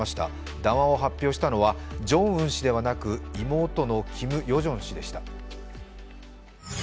談話を発表したのはジョンウン氏ではなく妹のヨジョン氏でした。